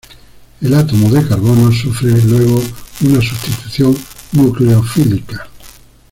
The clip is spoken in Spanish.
El átomo de carbono sufre luego una sustitución nucleofílica.